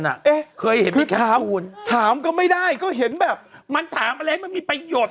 เอ๊ะคือถามก็ไม่ได้ก็เห็นแบบมันถามอะไรมันมีประโยชน์